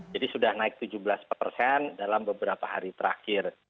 jadi sudah naik tujuh belas persen dalam beberapa hari terakhir